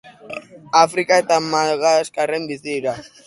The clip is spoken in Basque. Afrika eta Madagaskarren bizi dira.